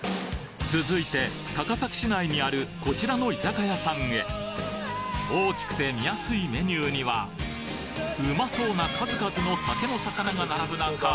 続いて高崎市内にあるこちらの居酒屋さんへ大きくて見やすいメニューにはうまそうな数々の酒の肴が並ぶ中